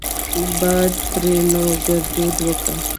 باد؛ ترينو ګړدود وګا